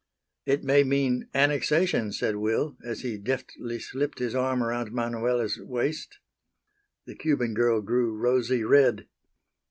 "It may mean annexation," said Will, as he deftly slipped his arm around Manuela's waist. The Cuban girl grew rosy red.